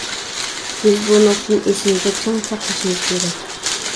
بىز بۇ نۇقتىنى ئېسىمىزدە چىڭ ساقلىشىمىز كېرەك.